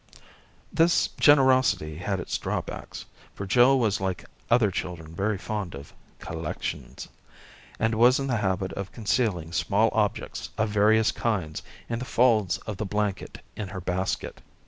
This generosity had its drawbacks, for Jill was like other children very fond of " collections," and was in the habit of concealing small objects of various kinds in the folds of the blanket in her basket.